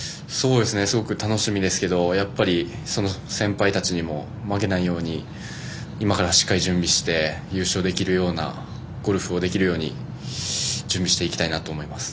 すごく楽しみですけど先輩たちにも負けないように今からしっかり準備して優勝できるようなゴルフをできるように準備していきたいなと思います。